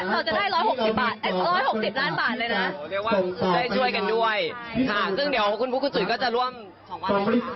เรียกว่าได้ช่วยกันด้วยซึ่งเดี๋ยวคุณพุทธก็จะร่วม๒วัน